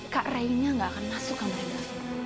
kak rayunya gak akan masuk kamarnya